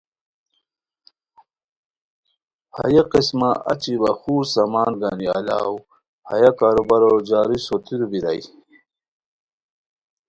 ہیہ قسمہ اچی وا خور سامان گنی الاؤ ہیہ کاروبارو جاری سوتیرو بیرائے